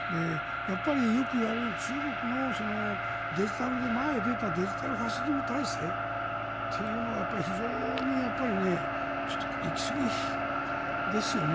よくいわれるように中国でデジタルが前に出たデジタルファシズム体制というのはちょっと行きすぎですよね。